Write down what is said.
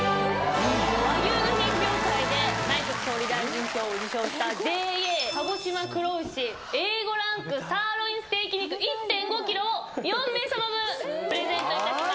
和牛の品評会で内閣総理大臣賞を受賞したＪＡ鹿児島黒牛Ａ５ランクサーロインステーキ肉１．５ｋｇを４名さま分プレゼントいたします。